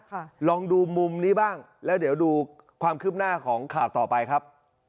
ลองดูมุมนี้บ้างแล้วเดี๋ยวดูความคืบหน้าของข่าวต่อไปครับ